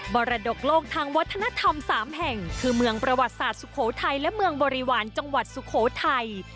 รดกโลกทางวัฒนธรรม๓แห่งคือเมืองประวัติศาสตร์สุโขทัยและเมืองบริวารจังหวัดสุโขทัย